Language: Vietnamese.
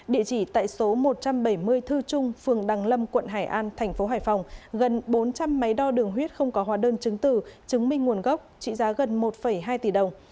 địa chỉ tại số một trăm bảy mươi thư trung phường đăng lâm quận hải an thành phố hải phòng gần bốn trăm linh máy đo đường huyết không có hóa đơn chứng tử chứng minh nguồn gốc trị giá gần một hai tỷ đồng